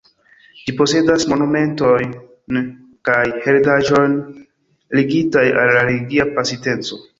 Ĝi posedas monumentojn kaj heredaĵon ligitaj al la religia pasinteco.